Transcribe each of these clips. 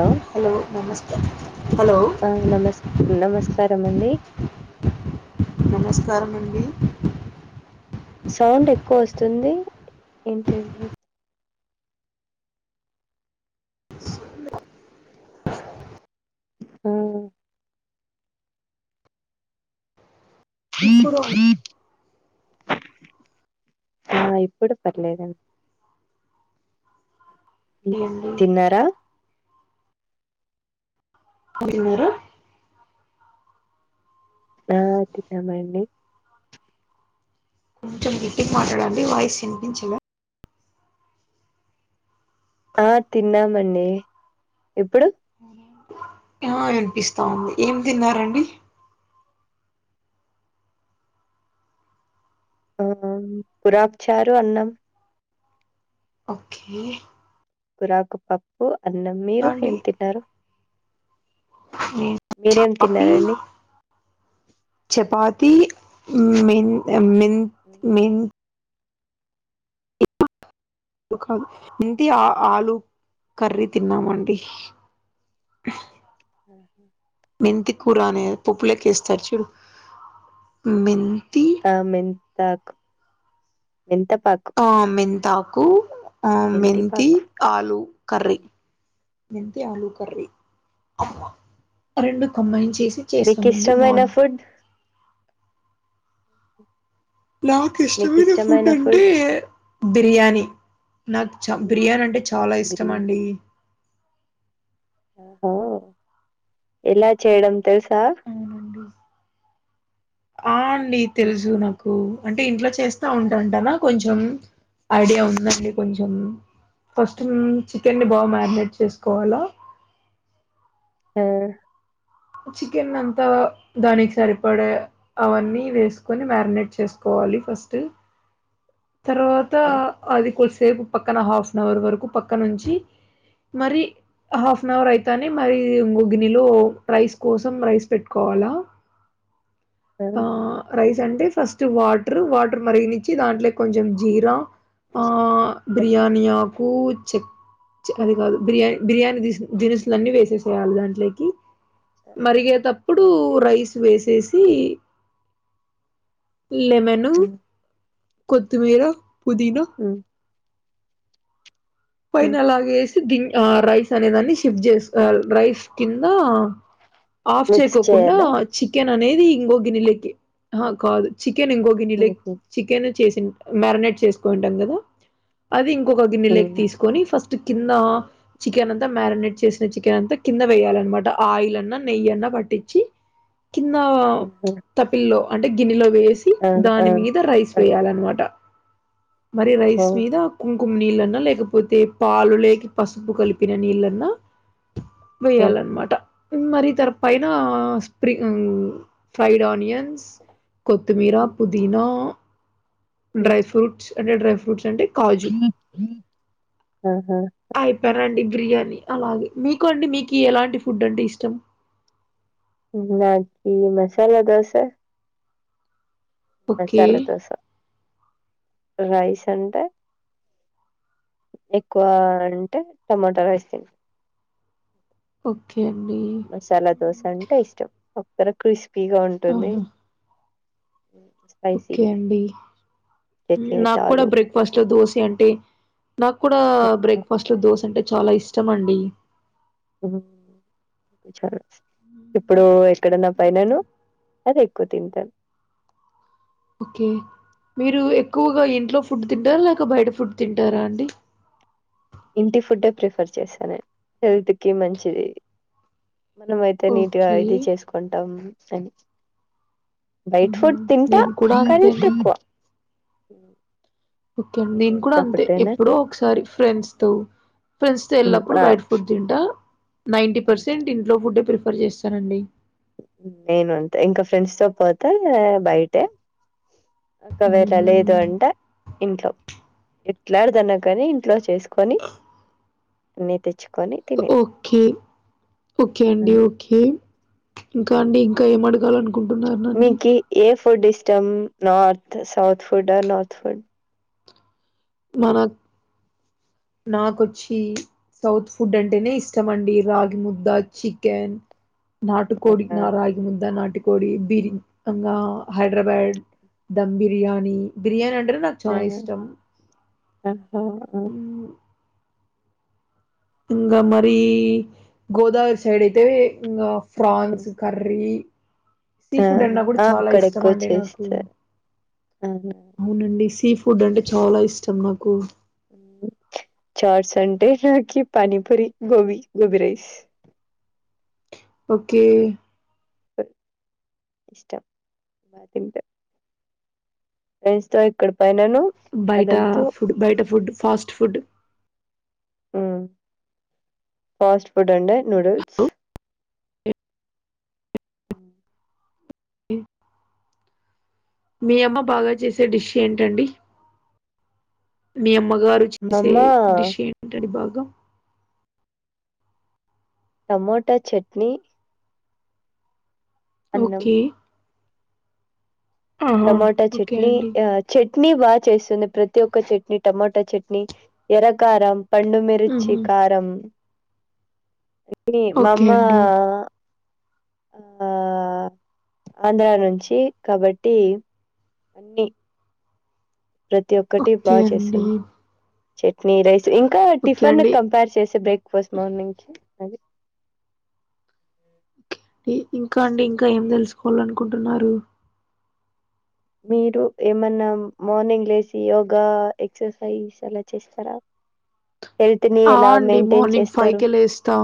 ఆ హలో నమస్కారం హలో అ నమస్ నమస్కారం అండి. నమస్కారం అండి. సౌండ్ ఎక్కువోస్తుంది. ఏంటది? సౌండ్ ఎ ఆ ఇప్పుడు అండి ఆ ఇప్పుడు పర్లేదన్ మ్ తిన్నార? తిన్నార? ఆ తిన్నాం అండి కొంచెం గెట్టిగ మాట్లాడండి వాయిస్ వినిపించలే. ఆ తిన్నామండి. ఇప్పుడు? ఆ వినిపిస్థాంది ఏం తిన్నారండి? ఆ కురాక్ చారు అన్నం. ఓకె కురాకుపప్పు అన్నం. మీరు అండి ఏం తిన్నారు? నేను మీరేం కాఫీ తిన్నారండి? ఆ చపాతి మెన్ మెన్ ఉమ్, మెన్ ఒకాదు మెంతి ఆ ఆలు కర్రీ తిన్నామండి. ఆహా కురానే అది పప్పులేకేస్తారు చూడు మెన్ తా మెంతాకు. మెంతపాకు ఆ మెంతాకు ఆ మెంతి మెంతిపాకు ఆలుూ కర్రీ ఉమ్, ఉమ్. మెంతి ఆలుూ కర్రీ. రెండు కంబైన్ చేసి మీకు చేసామండి ఇష్టమైన బాంది. ఫుడ్ మీకు నాకిష్టమైన ఫుడ్ ఇష్టమైన అంటే బిర్యానీ. నాకు చ బిర్యానీ అంటే చాల గ్రీన్ ఇష్టమండి. ఆహో ఎలా చేయడం తెలుసా? అవునండి ఆ అండి తెలుసు నాకు. కు అంటే ఇంట్లో చేస్తా ఉంటాంటనా కొంచెం, ఐడియా ఉందండి కొంచెం. ఫస్ట్ చికెన్ని బాగ మ్యారినేట్ చేసుకోవాల. ఆ చికెన్ అంతా దానికి సరిపడే అవన్నీ వేసుకొని మ్యారినేట్ చేసుకో వాలి ఫస్టు తర్వాత అది కొద్దిసేపు పక్కన హాఫ్ నవర్ వరకు పక్కనుంచి మరి హాఫ్ నవర్ అయితానే మరి ఓ గిన్నిలో రైస్ కోసం రైస్ పెట్టుకోవా వాల అన్ రైస్ అంటే ఫస్ట్ వాటర్ వాటర్ మరిగనిచ్చి దాంట్లోకి కొంచెం జీరా ఆ బిర్యానీ ఆకు చె అది గాదు బిర్యాని బిర్యానీ దిస్ దినుసులు అన్నీ వేసేసేయాలి దాంట్లేకి మరిగేతప్పుడు రైస్ వేసేసి లెమను కొత్తిమీర పుదీనా పైన అలాగేస్ తి గిన్ ఆ రైస్ అనేదాన్ని షిఫ్ట్ చేసుకోవాలి రైస్ కింద ఆఫ్ మిక్స్ చేయకోకుండా చేయాలా చికెన్ అనేది ఇంగొ గిన్నెలేకి హా కాదు చి చికెన్ ఇంకొక ఆ గన్నిలక్ చికెను చేసిన్ మ్యారినేట్ చేసుకోవుంటాం కదా అది ఇం కోక గిన్నెలేకి తీసు ఫస్ట్ కింద చికెన్ అంతా మ్యారినేట్ చేసిన చికెన్ అంతా కింద వేయాలన్నమాట ఆయిల్ అన్నా నెయ్ యన్న పట్టిచ్చి కింద తపిల్లో అంటే గిన్నెలో వేసి ఆ దాని మీద రైస్ ఆ వేయాలన్నమాట మరి రైస్ ఓహో మీద కుంకుమ నీళ్ళన్నా లేకపో పోతే పాలు లేకి పసుపు కలిపిన నీళ్ళన్నా వేయాలన్నమాట ఉమ్ మరి తర పైన స్ప్రి ఉ ఫ్రైడ్ ఆనియ కొత్తమీర పుదీనా డ్రై ఫ్రూట్స్ అంటే డ్రై ఫ్రూట్స్ అంటే హ ఐపార్ అండి బిర్యానీ అలాగే మీకు అండి మీకి ఎలాంటి ఫుడ్ అంటే ఇష్టం నాకీ మసాలా దోసె ఓకే. మసాలా దోస రైస్ అంటే ఎక్కువ అంటే టమటా రైస్ తి ఓకే అండి. మసాలా దోశ హ్మ్. అంటే ఇష్టం ఒక్కర క్రిస్పీగా ఉంటుంది ఆహా! స్పైసీ ఓకే అండి ఉమ్ చట్నీ విత్ నాకు కూడా ఆలు బ్రేక్ఫాస్ట్ లో దోసి అంటే నాకు కూడా బ్రేక్ఫాస్ట్ లో దోశ అంటే చాలా ఇష్టం అండి ఊ చారు హ్మ్. ఇప్పుడు ఎక్కడన్నా పైననూ అది ఎక్కువ తింటా ఓకే మీరు ఎక్కువగా ఇంట్లో ఫుడ్ తింటారా లేక బయట ఫుడ్ తింటారా అండి ఇంటి ఫుడ్డే ప్రిఫర్ చేస్తా నేను హెల్త్ కి మంచిది మనం అయితే నీట్ గా ఓకే ఇది చేసుకుంటాం అని బైట్ ఊహూ ఫుడ్ తింటా నేను కూడా కానీ అంతే అండి తక్కువ ఓకే అండి మీరు నేను కూడా ఇంట్లో అంతే ఫుడ్డేనా ఎప్పుడో ఒకసారి ఫ్రెండ్స్ తో ఫ్రెండ్స్ తో హ్మ్. వెళ్ళినప్పుడు ఆ బైట ఫుడ్ తింటా నైంటీ పర్సెంట్ ఇంట్లో ఫుడ్డే ప్రిఫర్ చేస్తానండి నేను అంతే ఇంకా ఫ్రెండ్స్ తో పోతే బయటే ఒకవేళ ఊహూ లేదు అంటే ఇంట్లో ఎట్లాడదన్నా కాని ఇంట్లో చేసుకో కొని నే తెచ్చుకో ఓకే ఓకే అండి హ్మ్. ఓకే ఇంకా అండి ఇంకా ఏం అడగాల అనుకుంటున్నారు నన్నీ మీకి ఏ ఫుడ్ ఇస్టమ్ నార్త్ సౌత్ ఫుడ్ ఆ నార్త్ ఫుడ్ ఆ మనక్ నాకొచ్చి సౌత్ ఫుడ్ అంటేనే ఇష్టం అండి రాగి ముద్ద చికెన్ నాటుకోడి ఆ నా రాగి ముద్ద నాటికోడి బీరింగ్ ఇంగ ఆ హైదరాబాద్ దమ్ బిర్యానీ బిర్యానీ అంటే నాకు చాల ఇష్టం ఆహో ఆ హ్మ్. ఇంగా మరి గోదావరి సైడ్ అయితే ఇంగ ఫ్రాన్స్ కర్రీ సీ ఆ ఫుడ్ అన్నా కూడా ఆ చాలా అక్కడ ఇష్టం ఎక్కువ అండి నాకు చేస్తారు అవును అవునండి సీ ఫుడ్ ఫుడ్ అంటే చాలా ఇష్టం నాకు ఒకే చట్స్ అంటే నాకి పానిపూరి గోభీ గోభీ రైస్ ఓకే ఇష్టం తింటా ఫ్రెండ్స్తో ఇక్కడ బయట ఫుడ్ బయట ఫుడ్ ఫాస్ట్ ఫుడ్ ఆ ఫాస్ట్ ఫుడ్ అంటే నూడిల్స్ ఓకే. అ మీ అమ్మ బాగా చేసే డిష్ ఏంటండి మీ అమ్మగారు మా చేసే అమ్మ డిష్ ఏంటడి భాగ టమోటా చట్నీ అన్నం ఓకే ఆహా టమాటా ఓకే చట్నీ అండి గా చట్ ట్నీ బాగా చేస్తుంది ప్రతి ఒక్క చట్నీ టమోటా చట్నీ ఎర్రకారం పండుమిర్చి ఊహు కారం కి ఓకే మామ్మ అండి ఆ ఆంధ్రా నుంచి కాబట్టి అన్ని ప్రతి ఒక్కటి ఓకే బా అండి చేస్తుంది చట్నీ రైస్ ఇంకా ఓకే టిఫిన్ అండి కంపేర్ చేస్తే బ్రేక్ఫాస్ట్ మార్నింగ్ అది ఇ ఇంకా అండి ఇంకా ఏం తెలుసుకోవాలనుకుంటున్నారు మీరు ఏమన్నా మార్నింగ్ లేసి యోగా ఎక్సర్సైజ్ అలా చేస్తారా హెల్త్ ని ఆ ఎలా అండి మెయింటైన్ మార్నింగ్ ఫైవ్ చేస్తారు కె లేస్తా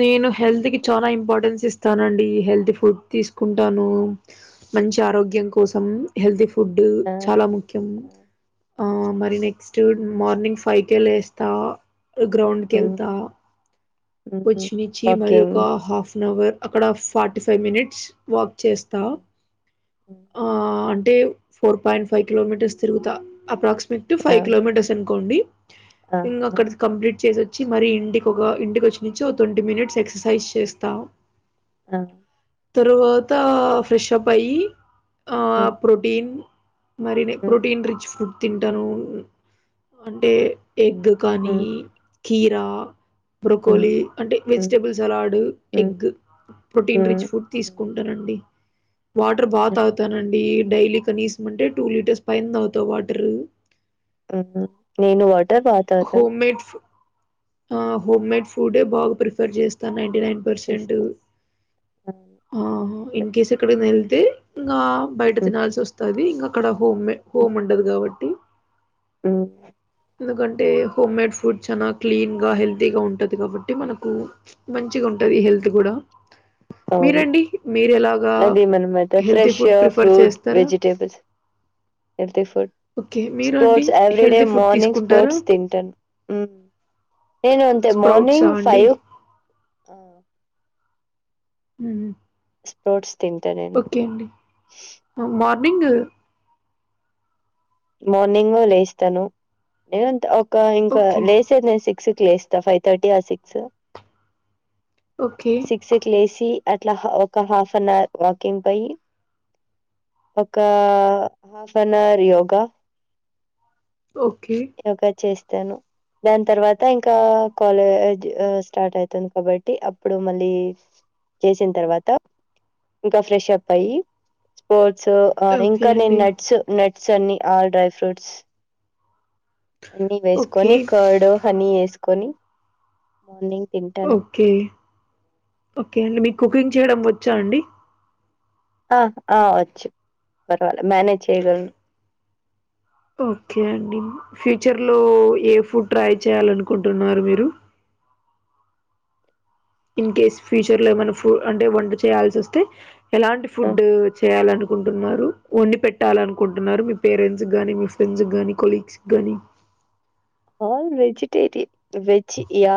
నేను హెల్త్ కి చాలా ఇంపార్టెన్స్ ఇస్తానండి హెల్తీ ఫుడ్ తీసుకుంటాను మంచి ఆరోగ్యం కోసం హెల్తీ ఫుడ్ ఆ చాలా ముఖ్యం ఆ, ఆ మరి నెక్స్ట్ మార్నింగ్ ఫైవ్ కే లేస్తా గ్రౌండ్కి ఉమ్ వెళ్తా ఉమ్ పర్చిమిర్చి మరి వాకింగ్ ఒక హాఫ్ వన్ అవర్ అక్కడ ఫార్టీ ఫైవ్ మినిట్స్ వాక్ చేస్తా ఉమ్, ఉమ్, ఆ అంటే ఫోర్ పాయింట్ ఫైవ్ కిలోమీటర్స్ తిరుగుతా అప్రాక్సిమేట్ ఆ ఫైవ్ కిలోమీటర్స్ అనుకోండి ఆ ఇంకా ఆ అక్కడ కంప్లీట్ చేసిచ్చి మరి ఇంటికి ఒక ఇంటికి వచ్చి నుంచి ఓ ట్వంటీ మినిట్స్ ఎక్ససైజ్ చేస్తా ఆ తరువాత ఫ్రెషప్ అయ్యి ఆ ఉమ్ ప్రోటీన్ మరి ఉమ్ ప్రోటీన్ రిచ్ ఫుడ్ తింటాను అంటే ఎగ్ కానీ ఉమ్ ఖీరా ఉమ్ కోలి అంటే ఉమ్ వెజిటబుల్ సలాడ్ ఉమ్ ఎగ్ ప్రొటీన్ ఉమ్ రిచ్ ఫుడ్ ఉమ్, తీసుకుంటానండి వాటర్ బాగా ఆ. తాగుతానండి డైలీ కనీసం అంటే టూ లీటర్స్ పైన తాగుతా వాటరు ఉహు నేను వాటర్ బాగా తాగుతాను హోమ్ మేడ్ ఫు ఆ హోమ్ మేడ్ ఫుడ్ బాగా ప్రిఫర్ చేస్తాను నైన్టీ నైన్ పర్సెంట్ చేస్తాను. అవును. ఆ నేనంతే. ఇన్ కేస్ ఎక్కడైనా హ్మ్. వెళ్తే ఇంకా బయట తినాల్సి వస్తుంది ఇంకా అక్కడ హోమ్ మే హోమ్ ఉండదు కాబట్టి ఉమ్ ఎందుకంటే హోమ్ మేడ్ ఫుడ్ చాలా క్లీన్ గా హెల్తీగా ఉంటది కాబట్టి మనకు మంచిగా ఉంటది హ్మ్. హెల్త్ కూడా అవును. మీరండి మీరు ఎలా ఆ అదేమనమాట హెల్తీ ఫ్రెష్ ఫుడ్ ఫ్రీఫర్ ఫ్రూట్, చేస్తారా వెజిటేబుల్స్, హెల్తీ ఫుడ్. ఓకే మీరు అండి స్ప్రోట్స్ హెల్తీ ఫుడ్ తీసుకుంటారా ఉమ్ నేను అంతే స్ప్రౌట్సా మార్నింగ్ అండి? ఫైవ్ ఉమ్ స్ప్రోట్స్ తింటా నేను. ఓకే అండి మార్నింగ్ మార్నింగ్ లేస్తాను నేను ఒక ఇంకా ఓకే లేసే నేను సిక్స్కి లేస్తా five thirty or six okay సిక్స్కి లేసి అట్లా ఒక హాఫ్ అన్ అవర్ వాకింగ్ పోయి ఒక half an hour yoga okay yoga చేస్తాను దాని తర్వాత ఇంకా కాలేజ్ స్టార్ట్ అవుతుంది కాబట్టి అప్పుడు మళ్ళీ చేసిన తర్వాత ఇంకా ఫ్రెష్ అప్ అయి స్పోర్ట్స్ సో ఓకే ఇంకా నేను అండి నట్స్ నట్స్ అన్ని ఆల్ డ్రై ఫ్రూట్స్ అన్నీ ఓకే వేసుకొని కార్డ్ హనీ వేసుకొని మార్నింగ్ తింటాను ఓకే ఓకే అండి మీకు కుకింగ్ చేయడం వచ్చా అండి ఆ ఆ వచ్చు పర్వాలే మేనేజ్ చేయ్యగలను ఓకే అండి ఫ్యూచర్ లో ఏ ఫుడ్ ట్రై చేయాలనుకుంటున్నారు మీరు ఇన్ కేస్ ఫ్యూచర్ లో ఏమైనా ఫు అంటే వంట చేయాల్సి వస్తే ఎలాంటి ఫుడ్ చేయాలనుకు అనుకుంటున్నారు వండి పెట్టాలీ అనుకుంటున్నారు మీ పేరెంట్స్ గాని మీ ఫ్రెండ్స్ కి కొలీగ్స్ గాని all vegetarian veg yeah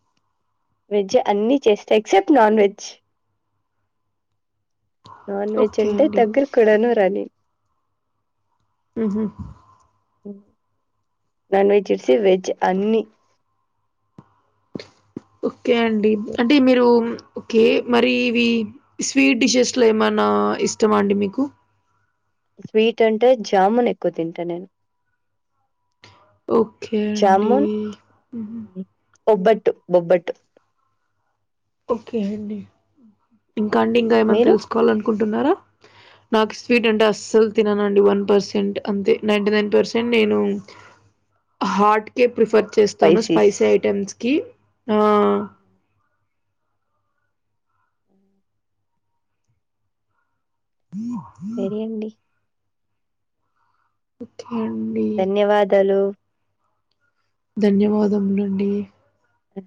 [inaudible] veg అన్ని చేస్తా except non veg non veg okay అంటే అండి దగ్గర కూడాను రనిను ఉహు నాన్ వేజెస్ వెజ్ అన్ని ఓకే అండి అంటే మీరు ఓకే మరి ఇవి స్వీట్ డిషెస్లో ఏమైనా ఇష్టమా అండి మీకు స్వీట్ అంటే జాముూన్ ఎక్కు తింటా నేను ఓకే అండి జామున్ ఉహు బొబ్బట్టు బొబ్బట్టు ఓకే అండి ఇంకా అండి ఇంకా ఏమన్నా మీరు తెలుసుకోవాల అనుకుంటున్నారా నాకు స్వీట్ అంటే అస్సలు తిననుండి వన్ పర్సెంట్ అంతే నైన్ంట నైన్ పర్సెంట్ నేను హాట్ కేే ప్రిఫర్ చేస్తాను స్పైసీస్ స్పైసీ ఐటెమ్స్ కీ ఆ సరి అండి ఓకే అండి. ధన్యవాదాలు ధన్యవాదమునండి అ